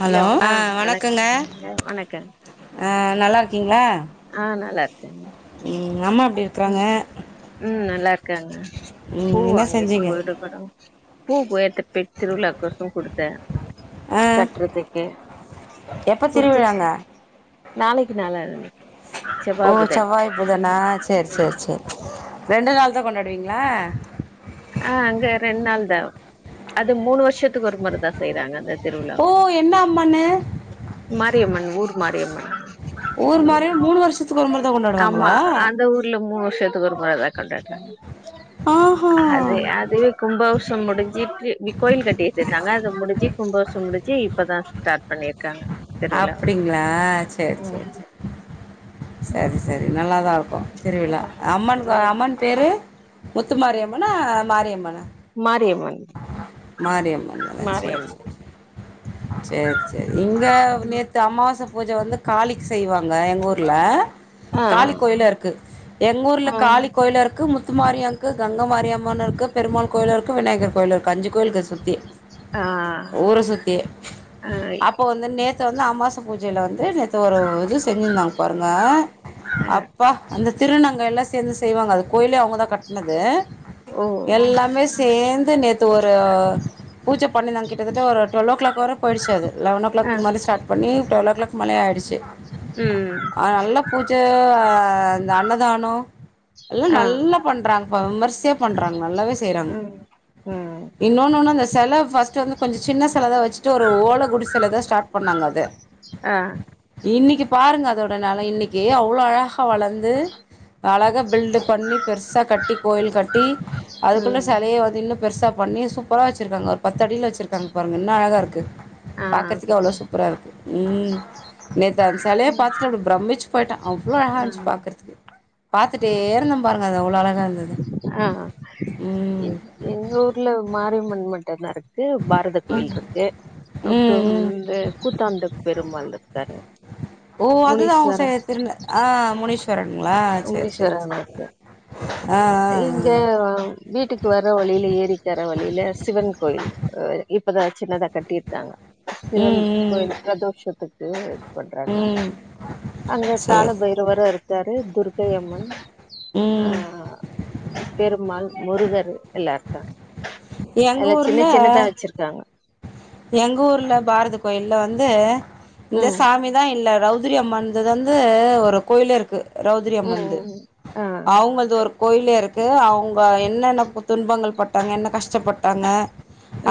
Hello ஆ வணக்கங்க ஆ நல்லா இருக்கீங்களா ஆ நல்லா இருக்கேங்க ம் அம்மா எப்டி இருக்கறாங்க ம் நல்லா இருக்காங்க ம் என்ன பூவாங்க செஞ்சீங்க இப்போடுப்புறம் பூவ எடுத்துடு போய் திருவிழாக்கு கோசோ குடுத்தே ஆ கட்டுறதுக்கு எப்போ குடுத்துட்டு திருவிழாங்க நாளைக்கி நாளான் அன்னைக்கி ஓ செவ்வாய் புதனா சேரி சேரி சேரி ரெண்டு நாள் தா கொண்டாடுவீங்களா ஆ அங்க ரெண்டு நாள் தா அது மூணு வருஷத்துக்கு ஒரு முற தா செய்யுறாங்க அந்த திருவிழாவ ஓ என்ன அம்மனு மாரியம்மன் ஊர் மாரியம்மன் ஊர் மாறியே மூணு வருஷத்துக்கு ஒரு முறை தான் ஆமா கொண்டாடுவாங்களா அந்த ஊர் இல்ல மூணு வருஷயத்துக்கு ஒரு முறதா கொண்டாடுறாங்க ஆ ஹா அது அது கும்பகோஷம் முடிஞ்சு க்கு கோவில் கட்டி ருந்தாங்க அத முடிஞ்சு கும்பகோஷம் முடிஞ் ச்சி இப்பதா ஸ்டார்ட் பண்ணிருக்காங்க திருவிழா அப்டிங்களா சேரி சேரி ம் சேரி சரி சரி நல்லாதா இருக்கு திருவிழா அம்மன் வரா அம்மன் பேரு முத்துமாரியம்மனா மாரியம்மனா மாரியம்மன் மாரியம்மன் தான சேரி மாரியம்மன் சேரி சேரி சேரி இங்க நேத்து அமாவாச பூஜ வந்து காளிக்கு செய்வாங்க எங்க ஊர்ல ஆ காளி கோயில இருக்கு எங்க ஊர்ல ஆ காளி கோயிலு இருக்கு முத் முத்து மாரியாக்கு கங்க மாரியம்மன்னு இருக்கு பெருமாள் கோயில் இருக்கு விநாயகர் கோயில் இருக்கு அஞ்சு கோயிலுக்கு சுத்தி ஆ ஊர சுத்தி ஆ அப்போ வந்து நேத்து வந்து அம்மாஸ் பூஜேல வந்து நேத்து ஒரு இது செஞ்சிருந்தாங்க பாருங்க ஆ அப்பா அந்த திருநங்க எல்லாஸ் சேந்து செய்வாங்க அது கோயிலே அவுங்க தா கட்டினது ஓ எல்லாமே சேந்து ந்து நேத்து ஒரு பூஜ பண்ணினாங்க கிட்டத்தட்ட ஒரு டுவெல்லோ க்ளாக் வர போயிடுச்சு அது லெவன்லோ க்ளாக் ஆ மேல ஸ்டார்ட் பண்ணி டுவெல்லோ க்ளாக் மேல ஆயிடுச்சு ம் ஆ நல்ல பூஜ அ இந்த அன்னதானோ எல்லா ஆ நல்லா பண்றாங்க விமர்சையா பண்றாங்க நல்லாவே செய்றாங்க ம் ம் இன்னொன்று ஒன்று அந்த செல ஃபஸ்ட்டு வந்து கொஞ்சோ சின்ன செலதா வச்சுட்டு ஒரு ஓலகுடி செல தா ஸ்டார்ட் பண்ணாங்க அது அ இன்னைக்கி பாருங்க அதோட நெல இன்னைக்கி அவ்ளோ அழகா வளந்து அழகா பில்டு பண்ணி பெருசா கட்டி கோயில் கட்டி அதுக்குள்ள ம் செலய வ இன்னு பெருசா பண்ணி சூப்பரா வச்சிருக்காங்க ஒரு பத்து அடில வச்சிருக்காங்க பாருங்க இன்னா அழகாருக்கு ஆ ஆ பாக்கறதுக்கே அவ்ளோ சூப்பராருக்கு ம் நேத்து அந்த செலைய பாத்துட்டு அப்டி பிரமிச்சு போயிட்டே அவ்ளோ அழகாஞ்ச்சி பாக்றதுக்கு பாத்துட்டேருந்தே பாரு அது அவ்ளோ அழகா இருந்துது ஆ ம் எங்க ஊர்ல மாரியம்மன் மட்டதா இருக்கு பாரத கோயில்ர்க்கு அப்பறோ ம் ம் இந்த கூத்தாண்ட பெருமாள் ருக்காரு ஓ அதுதா அவங்க முனிஸ்வர சை திருநெ ஆ முனீஸ்வரன்களா சேரி சேரி முனீஸ்வரன் சேரி இருக்கு ஆ ஆ அ அ வீட்டுக்கு வர வழில ஏரிக்கர வழில சிவன் கோயில் அ இப்பதா சின்னதா கட்டிருக்காங்க சிவன் ம் ம் கோயில் பிரதோஷத்துக்கு இது பண்றாங்கலா ம் அங்க கால சேரி பைரவரு இருக் கு துர்கையம்மன் அ ம் பெருமாள் முருகரு எல்லா இருக்காங்க எங்க எலா சின்ன சின்னதா வச் ச்சிருக்காங்க எங்கூர்ல பாரத கோயில்ல வந்து இந்த ம் சாமிதா இல்ல ரௌத்திரி அம்மன் அது வந்து ஒரு கோவிலிருக்கு ரௌதிரி அம்மன்து ம் ஆ அவுங்களது ஒரு கோயிலருக்கு அவுங்க என்னன்ன பொ துன்பங்கள் பட்டாங்க என்ன கஷ்டப்பட்டாங்க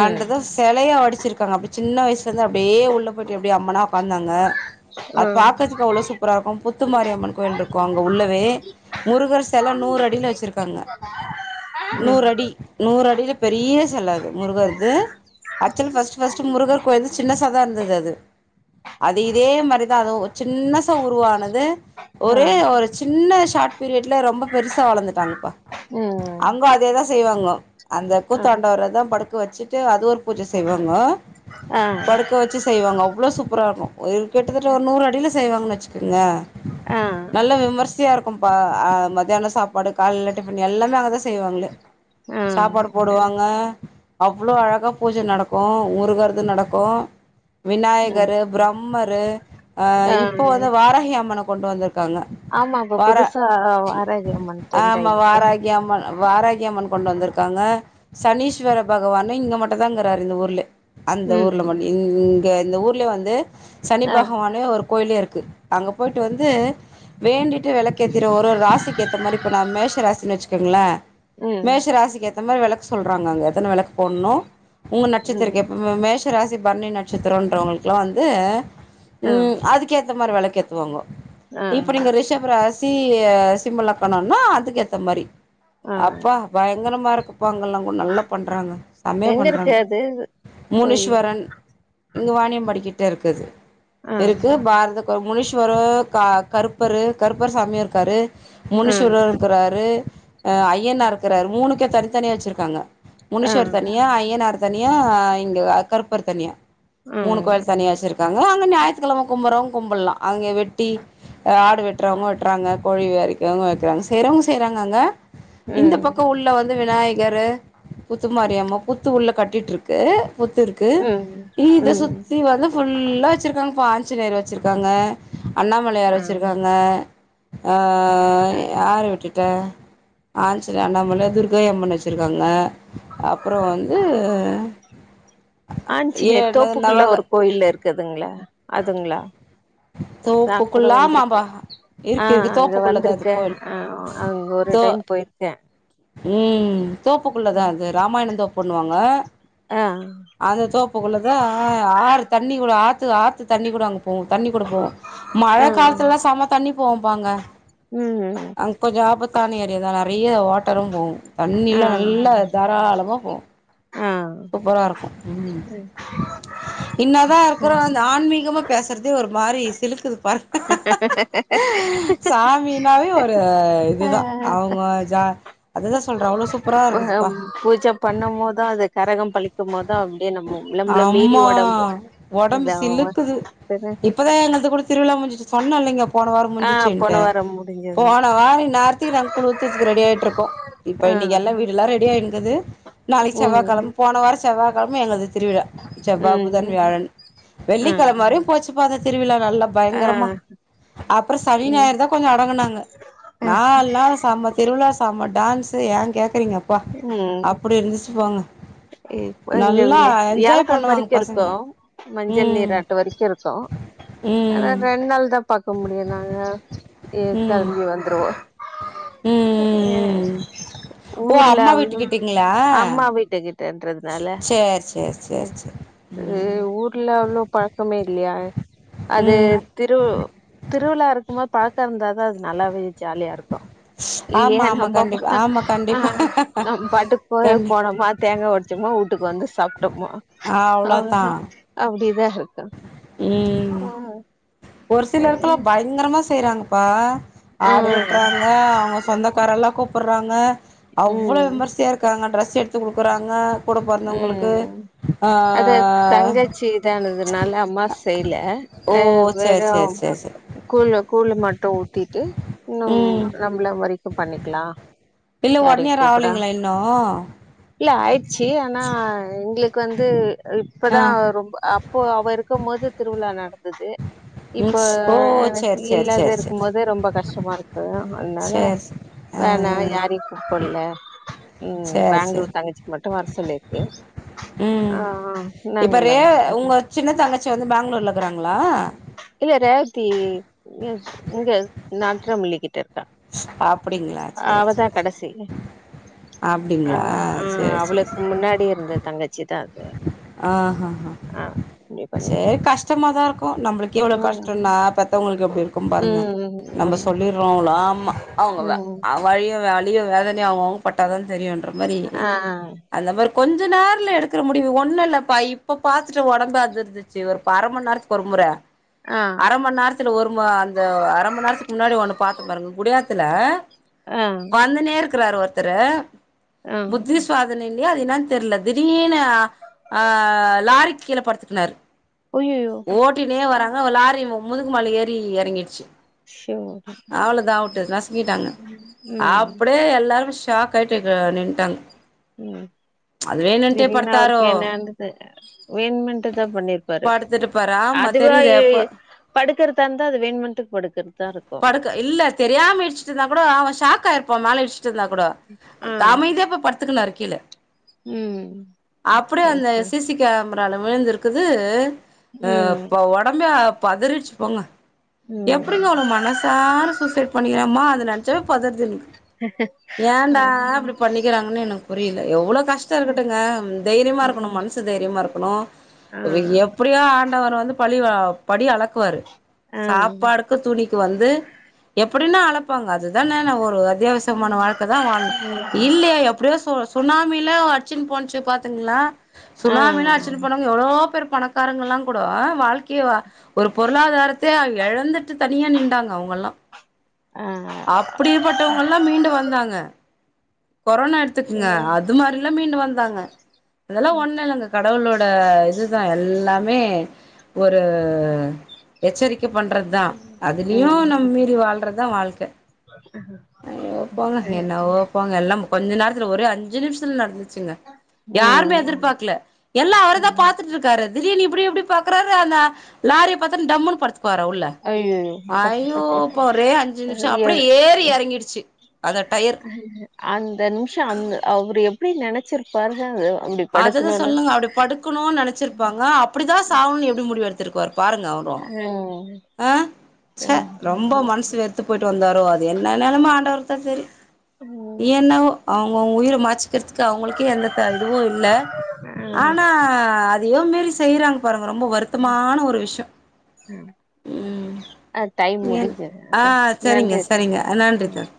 ம் அன்ரத செலையா வடிச்சிருக்காங்க அப்டி சின்ன வயசுலருந்து அப்டியே உள்ள போய்ட்டு அப்டி அம்மனா ஒக்காந்தாங்க அது ஆ பாக்கறதுக்கு அவ்ளவு சூப்பராருக்கு புத்துமாரியம்மன் கோயிலிருக்கு அங்க உள்ளவே முருகர் செல நூறு அடில வச்சிருக்காங்க ம் நூறு அடி நூறு அடில பெரிய செலது முருகர்து ஆக்சுவல் ஃபஸ்ட் ஃபஸ்டு முருகர் கோயில்ந்து சின்ன சாதா இருந்தது அது இதே மாதிரிதா அதும் ஒரு சின்னசா உருவானது ஆ ஒரே ஒரு சின்ன ஷாட் பீரியட்ல ரொம்ப பெருசா வளர்ந்துட்டாங்கப்பா ம் அங்க அதேதா செய்வாங்க அந்த கூத்தாண்டவரதா படுக்க வச்சுட்டு அது ஒரு பூஜ செய்வாங்க ஆ படுக் க்க வச்சு செய்வாங்க அவ்ளோ சூப்பராருக்கு ஒரு கிட்டத்தட்ட ஒரு நூறு அடில செய்வாங்கனு வச்சுக்கோங்க ஆ ஆ நல்ல விமர்சையாருக் குபா அ மத்ததியானோ சாப்பாடு காலைல டிஃபன் எல்லாமே அங்கதா செய்வாங்க ஆ சாப்பாடு போடுவாங்க அவ்ளோ அழகா பூஜ நடக்கு முருகர்து நடக்கு ஆ விநாயகரு பிரம்மரு ஆ இப்போ வந்து வாராகி அம்மன கொண்டு வந்து ர்க்காங்க ஆமா இப்ப வார புதுசா வாராகி அம்மன் ட்ரெண்ட் ஆமா ஆயினுக்குதானே வாரகி அம்ம வாரகி அம்மன் கொண்டு வந்திருக்காங்க சனீஸ்வர பகவானுஇங்க மட்டுதாங்கிறாரு இந்த ஊர்ல அந்த ஊர்ல ஒன்டியு ம் இங்க இந்த ஊர்ல வந்து சனி ஆ பகவானு ஒரு கோயிலேருக்கு அங்க போயிட்டு வந்து வேண்டிட்டு வெளக்கேத்திருவொ ஒரு ராசிக்கு ஏத்த மாரி இப்போ நா மேஷ ராசினு வச்சுக்கோங்ளே ம் மேஷ ராசிக்கு ஏத்த மாரி வெளக்கு சொல்றாங்க அங்க எத்தன வெளக்கு போட்ணு ஒங்க நட்சத்திரொ ம் கேப்பாங்க மேஷ ராசி பரணி நட்சத்திரன்றவங்களுக்கெல்லா வந்து ஆ ம் அதுக் கேத்த மாரி வெளக்கேத்துவாங்கோ ஆ இப்ப நீங்க ரிஷ் ப ராசி சிம்மலக்கணனா அதுக்கேத்த மாரி ஆ அப்பா பயங்கரமாருக்குப்பாங்கல்லா கூட நல்லா பண்றாங்க செமையா எங்க இருக்கு பண்றாங்க அது கோயிலு முனிஷ்வர இங் இங்கு வானியம்பாடிக்கிட்டேருக்குது ஆ இருக்கு பாரத ஒரு முனீஸ்வரு க கருப்பரு கருப்பர் சாமியு இருக்காரு ஆ முனிஷ்வரர் இருக்கிறாரு அ அய்யனார் இருக்கறாரு மூணுக்கே தனித்தனியா வச்சிர்க்காங்க ஆ முனிஷ்வர் தனியா அய்யனார் தனியா இங்க கருப்பர் தனியா ஆ மூணு ம் கோயில் தனியாச்சுருக்காங்க அங்க ஞாயித்துக்கெழம கும்புடறவங்க கும்புலா அங்க வெட்டி ஆடு வெட்டுறவங்க வெட்டுறாங்க கோழி வி அறுக்கிறவங்க அறுக்கறாங்க செய்றவங்க செய்றாங்க அங்க இந்த பக்கம் உள்ள வந்து விநாயகரு முத்துமாரியாம்ம புத்து உள்ள கட் டிட்டு இருக்கு புத்து இருக்கு ம் இத ம் சுத்தி வந்து ஃபுல்லா வச்சிருக்காங்கப்ப ஆஞ்சுநேயர் வச்சிருக்காங்க அண்ணாமலையார் ஆ வச்சிருக்காங்க ஆ யார விட்டுட்டா ஆஞ்சுனோயர் அண்ணாமலை துர்கா அம்மன் வச்சிருக்காங்க அப்றம் வந்து ஏ ஆஞ்சுனேயர் என்னது தோப்புக்குள்ள நவக ஒரு கோயில்ல இருக்குதுங்களா அதுங்களா நா கூட தோப்புக்குள்ளா மாம்பா வந்துருக்கே ஆ இருக்கு இருக்கு அங்க தோப்புக்குள்ளதா அது வந்திருக்கே கோயில் அ ஆ ஒரு தோ டைம் போயிருக்கே ம் தோப்புக்குள்ளதா அது ராமாயணம் தோப்புண்ணுவாங்க அ அந்த தோப்புக்குள்ள தா ஆ ஆறு தண்ணி கூட ஆத்து ஆத்து தண்ணி கூட அங்கே போவு தண்ணி கொடுபோவு ஆ மழை காலத்துல எல்லா செம தண்ணி போவு பா அங்க ம் அங்க கொஞ்சோ ஆபத்தான ஏரியாதா நெறைய வாட்டரு போவு தண்ணியலா ஆ நல்லா தாராளமா போவு ஆ சூப்பரா இருக்கு ம் இன்னதா இருக்கிற வந் இந்த ஆன்மீகமா பேசுறதே ஒரு மாரி சிலுக்குது பார் [inaudible] சாமினாவே ஒரு இதுதா அவங்க ஜா அதுதா சொல்றே அவ்ளோ சூப்பரா இருக்குதுப்பா பண்ணம்போதுதா அது கரகம் பழிக்கும்போதுதா அப்டியே நம்ம நம்மள மீறி அம்மா ஒடம்பு உடம்பு இதாவு சிலுக்குது இப்பதா எங்களுக்கு குடு திருவிழா முஞ்சிச்சுனு சொன்ன இல்லைங்க போன வாரோ ஆ போன முஞ்சுச்சுனுடு வாரம் முடிஞ்சது போன வார இன் நேரத் கி வாங்கி ‌ குழிச்சத்துக்கு ரெடி ஆயிட்டு இருக்கோ இப்ப ஆ இன்னைக்கு எல்லா வீடு எல்லா ரெடி ஆய இருந்தது நாளைக்கு ம் செவ்வாகெழம போன வாரோ செவ்வாய்கெழம எங்களுக்கு திருவிழா செவ்வா புதன் வியாழன் வெள்ளிகெழம ம் வரையு போச்சு பா அந்த திருவிழா நல்லா ஆ ஆ பயங்கரமா அப்றோ சனி ஞாயர் தா கொஞ்சோ அடங்குனாங்க நாலு நாள் செம்ம திருவிழா செம்ம டான்ஸ் ஏ கேக்றீங்க ம் ம் நல்லா பஞ்சமி என்ஜாய் வியழைக்கிழம பண்ணுவாங்க வரைக்கு இருக்கு பசங்க மஞ்சள் ம் நீர் ஆட்டு வரைக்கு இருக்கு ஆன ம் ரெண் என்னால் தா பாக்க முடியு நாங்க ஏ ம் ம் கோளம்பி வந்டுவோ ம் அ எ ம் ஓ அம்மா கிலழு வீட்டுக்கிட்டீங்களா அம்மா வீட்டு கிட்டன்றதுனால சேர் சேர் சேர் சேர் ம் ஊர்ல அவ்ளோ பழக்கமே இல்லையா அது ம் திரு திருவிழா இருக்கும்போது பாக்க இருந்தாதா அது நல்லாவே ஜாலியா இருக்கு ஆமா இல்லையா ஆமா ரொம்ப கண்டிப்பா ஆமா ஆ கண்டிப்பா நம் பாட்டுக்கு கோயிலுக்கு கண்டி போனோமா தேங்கா ஒடச்சோமா வுட்டுக்கு வந்து சாப்பு சபுட்டமா அவ்ளோதா அவ அப்டிதா இருக்கு ம் ஆ ஒரு சில எடத்தில சரி பயங்கரமா செய்றாங்கப்பா ஆ ஆடு வெட்டுறாங்க அவுங்க சொந்தக்கார எல்லா கூப்பிறாங்க அவ்ளோ ம் விமர்சையா இருக்காங்க டிரெஸ் எடுத்து கொடுக்குறாங்க ம் அத தங்கச்சி இதானதுனால அம்மா செய்ல ஓ ஆ சேர் வெறு சேர் சேர் சேர் கூல கூலு மட்டு ஊத்திட்டு இன்னு ம் நம்மள வரைக்கு பண்ணிக்கலா இல்ல ஓன் யாரையு இயர் கூப்படா ஆவலங்களா இன்னு இல்ல ஆயிடுச்சு ஆனா எங்களுக்கு வந்து ஆ இப்பதா ரொம்ப அப்போ அவ இருக்கு போது திருவிழா நடந்தது ம் இப்போ ஓ எனக்கு சேர் சேர் இல்லாத சேர் இருக்கு சேர் போது ரொம்ப கஷ்டமா இருக்கு அதனால சேர் ஆ வேணா யாரையு கூப்பில்ல ம் சேர் சேர் பேங்களூர் தங்கச்சிக்கு மட்டு வர சொல்லி இருக்கு ம் ஆ ஆ இப்ப ரே இந்தாங்க உங்க [unintelligible] சின்ன தங்கச்சி வந்து பெங்களூரில இருக்கிறாங்களா இல்ல ரேவத்தி இங்க நாத்தரமல்லிக்கிட்ட இருக்கா அப்டிங்களா சேர் அவதா சேர் சேர் கடைசி ஆ அப்டிங்களா ஆ சேரி சேரி அவளுக்கு சேரி முன்னாடி இருந்த தங்கச்சி தா அது ஆ ஹ ஹ ஆ அப்டி பண்ணி செரி கஷ்டமாதா இருக்கு நம்மளுக்கு எவ்ளோ ம் கஷ்டனா பெத்தவங்களுக்கு எப்டி இருக்கு பாருங்க ம் நம்ம ம் சொல்லடுறோம்லமா அவங்கதா ம் அவங் வலியு வலியு வேதனையு அவங்கவங்கப்பட்டாதா தெரியுன்ற மாதிரி ஆ அந்த மாரி கொஞ்ச நேரல எடுக்கிற முடிவு ஒன்ன ப்லபா இப்ப பாத்துட்டு ஒடம்பு அதிருந்துச்சு ஒரு அரைமணி நேரத்துக்கு ஒருமுறை ஆ அரை மணி நேரத் துல ஒரு அந்த அரை மணி நேரத்துக்கு முன்னாடி ஒண்ணு பாத்த பாருங்க குடியாத்துல ஆ அந்தனே இருக்கிறார் ஒருத்தர் ஆ புத்தி சுவதீன இல்லையா அது என்னன்னு தெரியல திடீனு ஆ லாரி கீழ படுத்துக்குனரு அய்யையோ ஓட்டினே வராங்க லாரி முதுகு மேல ஏறி எறங்கிடுச்சு ச்சோ அவ்ளோத ஆவுட் நசங்கிட்டாங்க ம் அப்டியே எல்லாரு ஷாக் ஆயிட்டுன் நி ம் வேணுன்ட்டே திடீர்னு படுத்தாரோ அவருக்கு என்னது வேண்மென்ட்டு தா பண்ணிருப்பாரு பாடுத்துட்டு பற ஆமா அதுவா தெரியுது எ எப்ப படுக்கறதா இருந்தா அது வேண்முட்டு படுக்கிறதுதா இருக்கு க இல்ல தெரியாமயிடிச்சுட்டு இருந்தா கூட அவ ஷாக் ஆயி இருப்போ மேலேடிச்சுட்டு இருந்தா கூட ஆ அமைதியா போயி படுத்துக்குனாறு கீழே ம் அப்டியே எஸ் அந்த சார். சி சி கேமரால விழுந்திருக்குது ம் அ ஒடம்பே பதிரிச்சு போங்க ம் எப்டிங்க அவ்ளவு மனசு தானு சூசைட் பண்ணிக்கிறமா அதை நெனச்சவே பதருது எனக் ஓ கிறாங்கன்னு எனக்கு புரியல எவ்ளோ கஷ்டோ இருக்கட்டுங்க ம் தைரியமா இருக்கணு ம். மனசு தைரியமா இருக்கணு ஆ எப்ப டிடோ ஆண்டவரு வந்து பலிவ படி அளக்குவாரு ஆ சாப்பாடு க்க துணிக்கு வந்து எப்டின்னா அளப் பாங்க அதுதான ஒரு அத்தியாவசியமான வாழ்க்கை தா வாழணு இல்லையா எப்டியோ சுனாமியில அடிச்சுனு போனுச்சு பாத்துங்களா சுனாமியில அடிச்சுனு ஆ போன எவ்ளோ பேர் பணக்காரங்கள்ல்லா கூட வாழ்க்கைய ஒரு பொருளாதாரத்தே இழந்துட்டு தனியே நிண்டாங்க அவங்கல்லா ஆ. அப்டிப்பட்டவங்கல்லா மீண்டு வந்தாங்க கொரோனா எடுத்துக்குங்க எது? அது மாரி எல்லா மீண்டு வந்தாங்க அதெல்லா ஒன்ன இல்லங்க கடவுளோட இதுதா எல்லாமே ஒரு எச்சரிக்கை பண்றது தா அதுலயு நம்ம மீறி வாழ்றதா வாழ்க்கை ம்ஹூ ஐயோ போங்க என்னவோ போங்க எல்லாம் கொஞ்ச நேரத்துல ஒரே அஞ்சு நிம்ஷ்த்துல் நட்ந்துச்சுங்க யார்மே ம் எதுர்பாக்ல எல்லா அவுரதா பாத்துட்ருக்காரு திடீனு இப்புடி எப்புடி பாக்குறாரு அந்த லாரிய பாத்தன டம்முனு பட்த் பார உள்ள அய்யய்யோ அப்பா ஐயோப்பா ரே அஞ்சு நிம்ஷ அப்புடே ஏறி எறக் ஷி அந்த டயர் அந்த நிம்ஷ அந் அவ்ரு எப்டி நெனச்சிருப்பாருக வெவ் அததா சொல்லுங்க அப்டி படுக்குணு நெனச்சிருப்பாங்க அப்புடிதா சாவுனுன் எப்டி முடிவு எட்த்திருப்பாரு பாருங்க அவுர் அ அ ச்ச ரொம்ப மன்சு வெற்த்து போயிட்டு வந்தாறோ அது என்ன நெலம ஆண்டவருக்குதா தெரி ம் என்னவோ அவுங்கவுங் உயிர மாச்சிக்கற்துக்கு அவுங்களுக்கே எந்த த இதுவு இல்ல ஆ ஆனா அதுயோ மேரி செய்றாங் பாருங்க ரொம்ப வருத்தமான ஒரு விஷ்யோ அஹ டைம் ஏன் முடிஞ்சிது ஆ அத சரிங்க நன்றி சரிங்க நன்றி அத்த தோழி